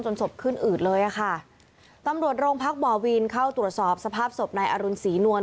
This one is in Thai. ศพขึ้นอืดเลยอ่ะค่ะตำรวจโรงพักบ่อวินเข้าตรวจสอบสภาพศพนายอรุณศรีนวล